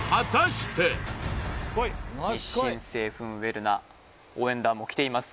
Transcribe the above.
日清製粉ウェルナ応援団も来ています